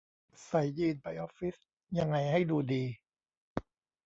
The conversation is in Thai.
ใส่ยีนส์ไปออฟฟิศยังไงให้ดูดี